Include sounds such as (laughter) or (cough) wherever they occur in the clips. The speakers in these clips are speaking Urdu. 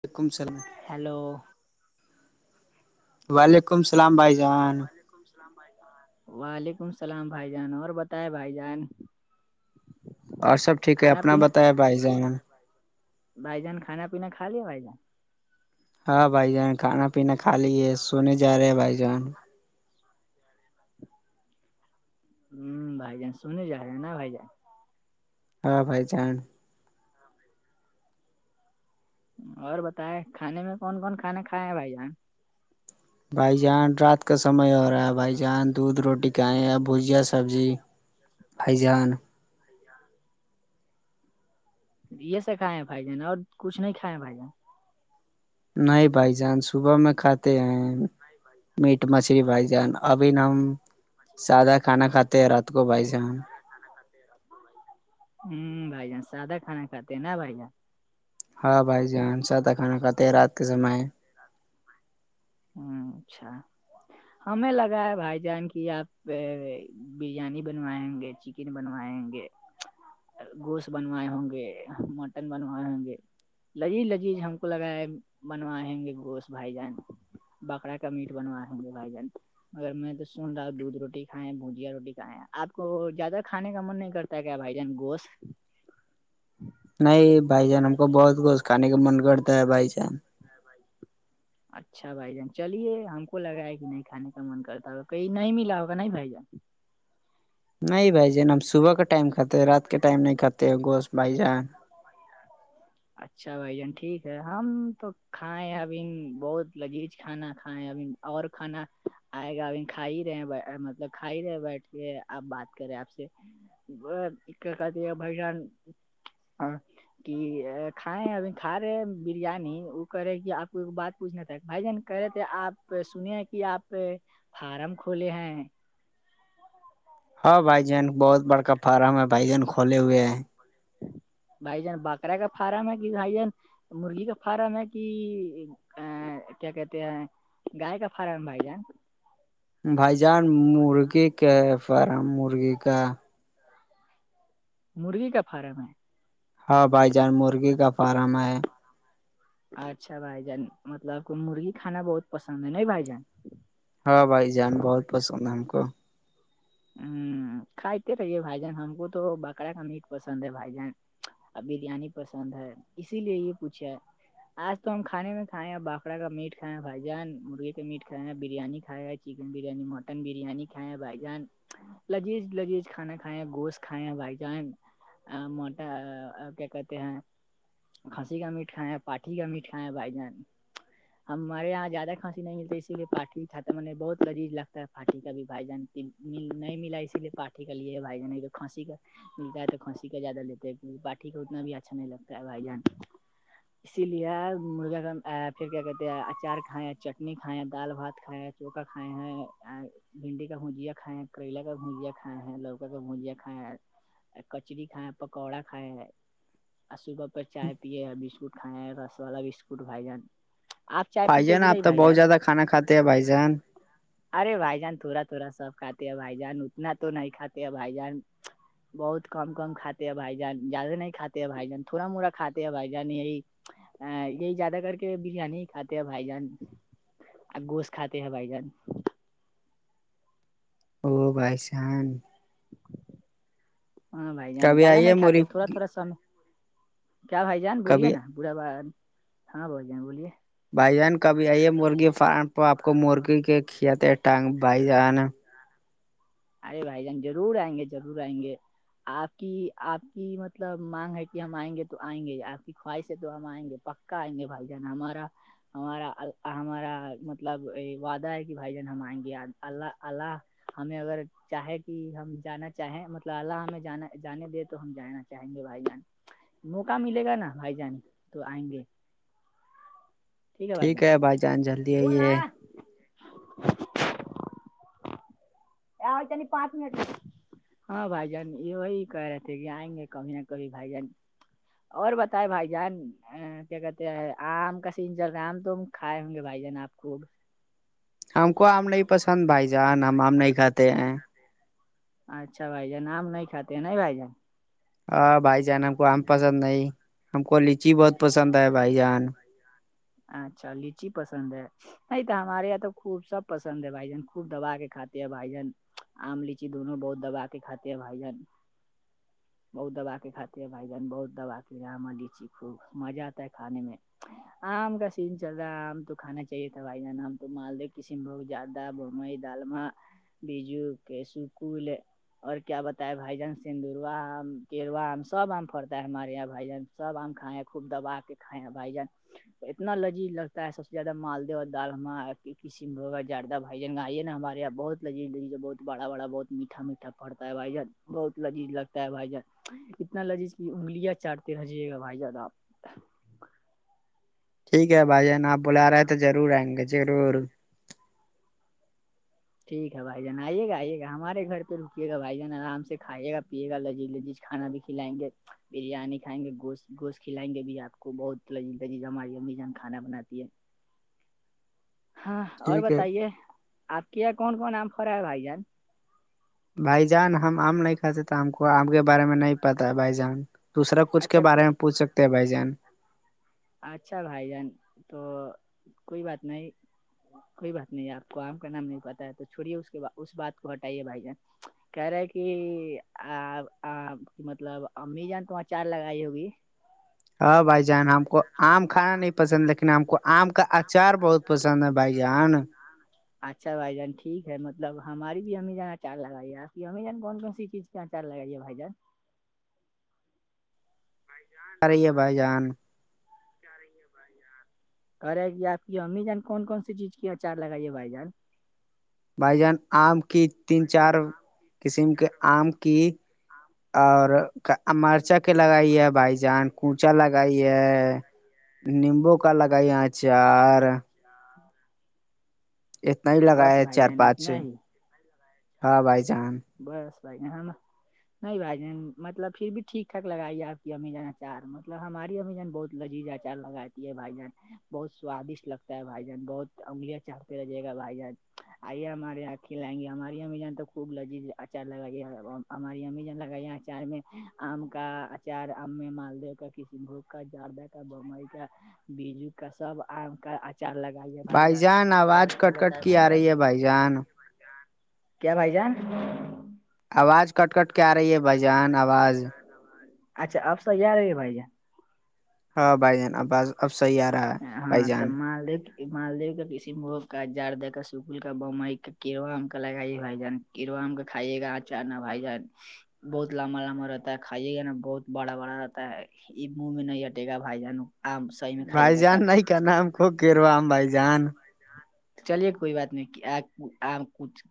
ولیکم سلمام ہیلو وعلیکم السلام بھائی جان اللامھ وعلیکم السلام بھائی جان اور بتائے بھائی جان اور سب ٹھیک ہے کھانا اپنا بتایا بھائی جین بائی جان کانا پیناا خال ل ہے بائی جان ہاں بھائی جان کھانا پینا کھا لی ہے سونے جا رہے ہیں بھائی جان ہ بھائی جان سنے جا رہ ن بائی جان ہاں بائی جان اور بتائے کھانے میں کون کون کھانے کھائے ہیں بھائی یہاں بھائی جان رات کا سمے ہو رہا ہے بھائی جان دودھ روٹی گیا بھجیا سبزی ہیضان سیا یہ سا کھائے ہیں بھائی ج نے اور کچھ نہیں کھائے ہیں بھائی جان نہیں بھائی جان صبح میں کھاتے ہیں میٹ مچھلی بھائی جان ابھی ن ہم م سادہ کھانا ب کھاتے ہیں رات کو بھائی جان اب ہ بھائی جان سادا کھانا کاتے ہیں نا بھائی جان ہاں بھائی جان سادہ کھانا کھاتے ہیں رات کے سمعے ہ اچھا ہمیں لگا ہے بھائی جان کی آپ بریانی بنوائیں گے چکن بنوائیں گے گوشت بنوائے ہوں گے مٹن بنوائے ہوں گے لذیذ لذیذ ہم کو لگاائے بنویں گے گوشت بھائی جان بکرا کا میٹ بنوا ہیں گے بھائی جان اگر میں تو سن رہا ہوں دودھ روٹی کھائےیں بھجیا روٹی کھائےیں آپ کو زیادہ کھانے کا من نہیں کرتا ت بائی جان گوش نہیں بھائی جان ہم کو بہت گوش کھانے کا من کرتا ہے بھائی جان ہ بھائی اچھا بھائی جان چلیے ہم کو لگایا کہ نہیں کھان کا من کرتا ہوگا کہئی نہیں ملا ہوگا نہیں بھائی جان نہیں بھائی جان ہم صبح کا ٹائم کاتے رات کے ٹائم نہیں کاتے گوشت بھائی جان اچھا بھائی جان ٹھیک ہے ہم تو کھائے ابھی بہت لذیذ کھانا کھائے ابھی اور کھانا آئے گا اب کھا ہی رہے مطلب کھاائی رہے بیٹھ کے آپ بات کریں آپ سے کیا کہتی ہے بھائیشان ہاں کہ کھائےیں ہیں ابھی کھا رہے ہیں بریانی وہ کر رہے کہ آپ کو ایک بات پوچھنا تھا بھائی جان کہ رہے تھے آپ سنی ہیں کہ آپ فارم کھولے ہیں ہاں بھائی جان بہت بڑکا فارم ہے بھائی جان کھولے ہوئے ہیں بھائی جان بکرا کا فارم ہے کہ بھائی جان مرغی کا فارم ہے کہ ا کیا کہتے گائے کا فارم بائ جا بھائی جان مرغی کا فارم مرغی کا مرغی کا فارم ہے ہاں بھائی جان مرغی کا فارم ہے اچھا بھائی جان مطلب آپ کو مرغی کھانا بہت پسند ہے ن بھائی جان ہاں بھائی جان بہت پسند ہے ہم کو ہوں کھاتتے رہیے بھائی جان ہم کو تو بکرا کا میٹ پسند ہے بھائی جان ا بریانی پسند ہے اسی لیے یہ پوچھا آج تو ہم کھانے میں کھائے ہیں باکرا کا میٹ کھائے ہیں بھجن مرغے کا میٹ کھائے ہیں بریانی کھائے گ چکن بریانی مٹن بریانی کھیا بھائی جان لذیذ لذیج کھانا کھائے ہیں گوشت کھائے ہیں بھائی جان آ موٹا کیا کہتے ہیں کھنسی کا میٹ کھیں ہیں پاٹی کا میٹ کھائے ہیں بھائی جان ہمارے یہاں زیادہ کانسی نہیں ملتی ہے اسی لیے پاٹھی تھا م نے بہت ذیز لگتا ہے پاٹھی کا بھی بھائی جان نہیں ملا اسی لیے پارٹٹی کا لیے بھائی ج نے جو کانسی کا ملتا ہے تو کھسی کا زیادہ لیتے ہیں پاٹٹی کا اتنا بھی اچھا نہیں لگتا ہے بھائی جان اسی لیے مرغا کا پھر کیا کہتے ہیں اچار کھائے چٹنی کھائیں دال بھات کھائےیں چوکا کھائے ہیں بھنڈی کا ہوجیا کھائے ہیں کریلا کا گھجیا کھائے ہیں لوکا کا گھجیا کھائے ہیں کچری کھیں پکوڑا کھائےیں ہے اور صبح پہ چائے پیے ہیں بسکٹ کھائے ہے رس والا بسکٹ بھائی جان آپ چائے بھائی پیتے جان کہ آپ نہیں تو بھائی بہت جان زیادہ کھانا کاتے ہیں بھائی جان ارے بھائی جان تھوڑا تھوڑا سب کاتے ہیں بھائی جان اتنا تو نہیں کھاتے ہیں بھائی جان بہت کم کم کھاتے ہیں بھائی جان زیادہ نہیں کاتے ہیں بھائی جان تھوڑا موٹا کاتے ہیں بھائی جان یہی ہاں یہ زد کرار کے بریانی کات بھائی جان آ گوش کھاتے ہیں بھائی جان ہو بھائی شان ہاں بھائی جان کبھی زیادہ آئیے نہیں کھاتے مرغی تھوڑا تھوڑا سم کیا بھائی جان بولیے کبھی نا برا ب ہاں بہ جائیں بولیے بھائی جان کبھی آئی ہے مرغی فارم پ آپ کو مرغی کے کیاتے ٹانگ بھائی جان ارے بھائی جان ضرور آئیں گے ضرور آئیں گے آپ کی آپ کی مطلب مانگ ہے کہ ہم آئیں گے تو آئیں گے آپ کی خواہش ہے تو ہم آئیں گے پ ک نہیں بائی جانا ہمارا ہمارا ہمارا مطلب وعدہ ہے کہ بھائی جان ہم آئیں گے اللہ اللہ ہمیں اگر چاہے کہ ہم جانا چاہیں مطلب اللہ ہمیں جانا جانے دے تو ہم جانا چاہیں گے بھائی جان موقع ملے گا نا بھائی جان تو آئیں گے ٹھیک ہے بھائی ج بول آجتے نہیں پانچ منٹ ہاں بھائی جان یہ وہی کہہ رہے تھے کہ آئیں گے کبھی نہ کبھی بھائی جان اور بتائے بھائی جان کیا کہتے ہیں آم کا سین چل رہا ہے آم تو کھائے ہوں گے بھائی جان آ کو ہم کو آم نہیں پسند بھائی جان ہم آم نہیں کھاتے ہیں اچھا بھائی جان نام نہیں کات ہیں نہیں بھائی جان ہاں بھائی جان ہم کو آم پسند نہیں ہم کو لچی بہت پسند ہے بھائی جان اچھا لچی پسند ہے نہیں تو ہمارے یہاں تو خوب سب پسند ہے بھائی جان خوب دبا کے کاتے ہیں بھائی جان آم لیچی دونوں بہت دبا کے کھاتے ہیں بھائی جان بہت دوبا کے کات ہیں بھائی جان بہت دوا کے ر ہمالچی خوب مزہ آتا ہے کھے میں آم کا سیزن چل رہا ہے آم تو کھانا چاہے تھا بھائی جان آام تو مال د کسیم بگ ج ا بئی دالما بجو کے سکل اور کیا بتتا ہے بھائی جان سندوروا آم کیلوا آم سب آم پڑتا ہے ہمارے یہاں بھائی جان سب آم کھائے خوب دبا کے کائے بھائی جان اتنا لذیذ لگتا ہے سب سے زیادہ مالدہ اور داغ کسیم ب ہوگا جیادہ بائی جن گ آائی نا ہمارے یہ بہت لذز یی بہت بڑا بڑا بہت میٹا میٹا پڑتا ہے بائی جان بہت لذیذ لگتا ہے بھائی جان اتنا لذیذ کی انگلیاں چٹتے رہجیے گا بھائی جان آپ (unintelligible) ٹھیک ہے بھائی جان آپ بلا رہے ہیں تو ضرور آئیں گے ضرور ٹھیک ہے بھائی جان آئیے گا آئیے گا ہمارے گھر پہ رکے گاھائی جان آرام سے کھائی گایے گا لذیذ لذ کھانا بھی کھلائیں گے بریانی کھائیں گے گوشتوشت کھلائیں گے بھی آپ کو بہت للیز ہماری امی جان کھانا بناتی ہے ہاں اور ٹھیک ہے بتائیے آپ کے یہاں کون کون نام پ رہا ہے بھائی جان بھائی جان ہم آم نہیں کھاتے تھ ہم کو آم کے بارے میں نہیں پتا ہے بھائی جان دوسرا کچھ کے اچھا بارے میں پوچھ سکتے ہیں بھائی جان اچھا بھائی جان تو کوئی بات نہیں کوئی بات نہیں آپ کو آم کا نام نہیں پتا ہے تو چھڑیے اس کے اس بات کو ہٹائیے بھائی جن کہہ رہے کہ آ مطلب امی جان تو اچار لگائی ہوگی ہاں بھائی جان ہم کو آم کھانا نہیں پسند لیکن ہم کو آم کا اچار بہت پسند ہے بھائی جان اچھا بھائی جان ٹھیک ہے مطلب ہماری بھی امی جان چار لگائیے آپ ہمیں جان کون کون سی چیز کیا چار لگائیے بھائی جان بھائی جان رہی ہے آواز بھائی جان کٹٹ ج رہی ہے بھائی جان (unintelligible) کرے گی آپ کی امی جان کون کون سی چیز کی اچار لگائیے بھائی جان بھائی جان آم کی تین چار قسم کے آم کی اور امرچک لگائی ہے بھائی جان کوچا لگائی ہے نمبو ک لگائی یہاں چار اتنا ہی بس لگایا بھائی چار جان پانچ اتنا ہی ہاں بھائی جان بس بھائیے ہے نا (unintelligible) نہیں بھائی جان مطلب پھر بھی ٹھیک ھاک لگائی ہے آپ کی ابھی جان اچار مطلب ہماری ابھی جان بہت لی جا چا لگاتی ہے بھائی جان بہت سوادشٹ لگتا ہے بھائی جان بہت انگلییا چا پہ ل جے گا بھائی جان آئیے ہمارے یہ آکھھی لائیں گے ہمارے یہاں بھی جانے تو خوب لج اچار لگائی ہماری امی ج لگائی اچار میں آم کا چار آم مالدو کا کشن بھوگ کا جاردہ کا بمبئی کا بیجو کا سب کا چار لگائیے بھائی جان اور آواز کیا کٹ کٹ بتائے کی بھائی آ جان رہی ہے بھائی جان کیا بھائی جان آواز کٹ کٹ کے آ رہی ہے بھجان آواز اچھا اب صحیح یہیا رہیے بھائی جان ہاں بائی ج ن آباز اب سیا (unintelligible) (unintelligible) (inaudible) ہاں تم لے مالدیو کا کسی مگ کا جار دے کر سکول کا بئی کا کیام کا لگائیائی جان کیوم کا کھائیے گا اچھان نا بھائی جان بہت لمبا لمبا رہتا ہے کھائیے گ نا بہت بڑا بڑا رہتا ہے یہ من بھی نہیں ہٹے گا بھائی جان آم صحیح میں کھائیے بائی گا جان تھا نہیں کیا نم خوب گو آم بھائی جان چلیے کوئی بات نہیں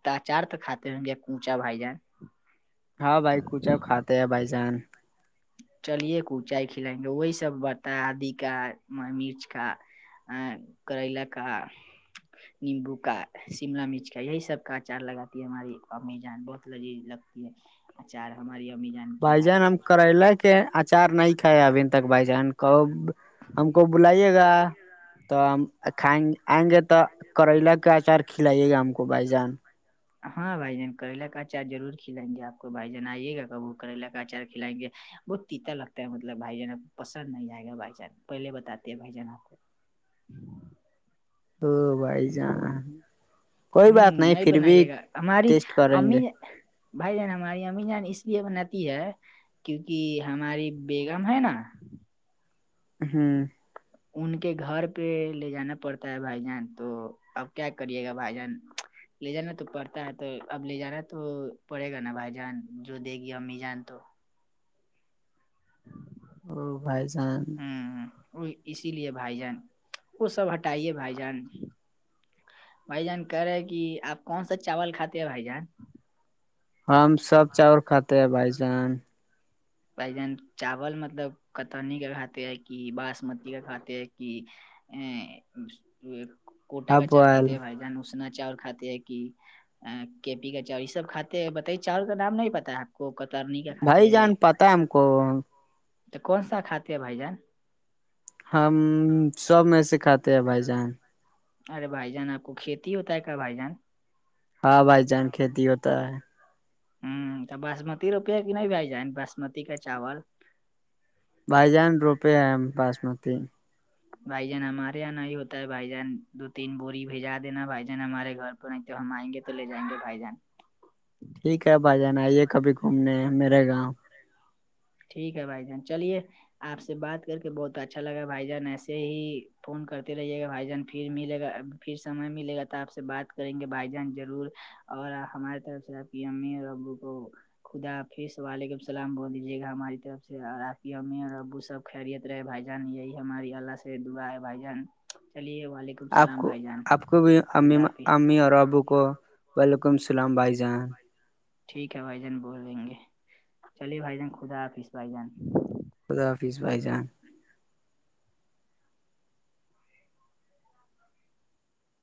تچار تو کاتے ہوں گے کوچا بھائی جان (inaudible) (unintelligible) ہاں بھائی کچھا کاتے ہیں بائی جان چلیے کچائی کھلائیں گے وہی سب برتا آدی کا مرچ کا ا کرلا کا (inaudible) نیمبو کا شم مرچ کا یہی سب کا اچار لگاتی ہے ہماری امی جان بہت لذیذ لگتی ہے اچار ہماری امی جان کی ہاتھ کی پہلے کے اچار نہیں تھا ابھی تک بھائی جان کب ہم کو بلائیے گا تو ہمچ کھائیں آئیں گے تو کریلا کے اچار کھلائیے گا ہم کو بھائی جان ہاں بھائی جان کرلا کا اچار ضرور کھلائیں گے آپ کو بھائی جان آئیے گا کاب وہ کریلا کا اچار کھلائیں گے بہت تیتا لگتا ہے مطلب بھائی جان اب پسند نہیں آئے گا بھائی جان پہلے بتاتے ہیں بھائی جان آپ جی (inaudible) (unintelligible) ا بھائی جان کوئی ہ بات نہیں پھر بھی بنائیے گا ہماری ٹیسٹ کریں گے امی بھائی جان ہماری ام جان اس لیے بناتتی ہے کیونکہ ہماری بیگم ہے نا ہوں (unintelligible) (inaudible) (unintelligible) (inaudible) ان کے گھر پہ لے جانا پڑتا ہے بھائی جان تو اب کیا کریے گا بھائی جان لے جانا تو پڑتا ہے تو اب لے جانا ہے تو پڑے گا نا بھائی جان جو دے گی امی جان تو (unintelligible) (inaudible) ج اور بائی جان ہمم ہمم اسی لیے بھائی جان وہ سب ہٹائیے بھائی جان بھائی جان کہہ رہے کہ آپ کون سا چاول کھاتے ہیں بھائی جان ہم سب چاول کھاتے ہیں بھائی جان ب جن چاول مطلب کتنی کا کھاتے ہے کہ باسمتی کا کھاتے ہے کہ ا کوٹاکا چاور ابول کاتے بائی جان ن اشنا چاور کات (inaudible) کی پی کا چاؤور یہ سب کاتے ہیں بتائی چاؤول کا نام نہیں پتتا ہےپ کوکتار نہیں بھائی جان پتا ہے ہم کو تو کون سا کھاتے ہیں بھائی جان ہم سب میں سےے کھاتے ہیں بھائی جان ارے بھائی جان آپ کو کھیتی ہوتا ہے کیا بھائی جان ہاں بھائی جان کھیتی ہوتا ہے ہوں تو باسمتی روپے کہ نہیں بھی جائے باسمتی کا چاول بھائی جان روپے ہیں ہم باسمتی بھائی جان ہمارے یہاں نہیں ہوتا ہے بھائی جان دو تین بوری بھیجا دینا بھائی جان ہمارے گھر تو نہیں تو ہم آئ گے تو لے جائیں گے بھائی جان ٹھیک ہے اب آ جانا آئیے کبھی گھومنے میرے گاؤں ٹھیک ہے بھائی جان چلیے آپ سے بات کر کے بہت اچھا لگے گا بھائی جان ایسے ہی فون کرتے رہیے گا بھائی جان پھر ملے گا پھر سمے ملے گا تو آپ سے بات کریں گے بھائی جان ضرور اور ہمارے طرف سے امی اور ابو کو خدافظ وعلیکم السلام بول یہ گا ہماری طرف سے اور آپ کی امی اور ابو سب خیریت رہے بھائی جان یہی ہماری اللہ سے دعا ہے بھائی جان چلیے وعلیکم (inaudible) آپ کو بھائی جان آپ کو بھی امی خدا حافظ امی اور ابو کو وعلیکم السلام بھائی جان ٹھیک ہے بھائی جان بولیں گے چلیے بھائی جان خدا حافظ بھائی جان خدا حافظ بھائی جان